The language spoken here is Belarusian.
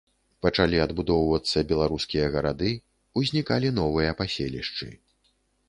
Пачалі адбудоўвацца беларускія гарады, узнікалі новыя паселішчы.